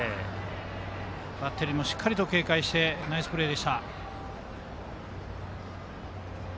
バッテリーもしっかりと警戒してナイスプレーでした。